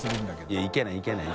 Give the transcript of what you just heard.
いいけないいけない。